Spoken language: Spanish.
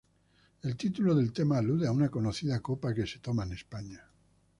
El título del tema alude a una conocida copa que se toma en España.